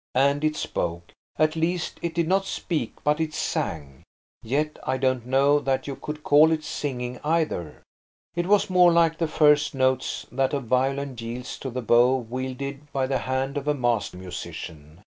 And it spoke. At least, it did not speak, but it sang. Yet I don't know that you could call it singing either. It was more like the first notes that a violin yields to the bow wielded by the hand of a master musician.